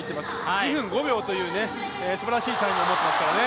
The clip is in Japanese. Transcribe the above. ２分５秒というすばらしいタイムを持ってますからね。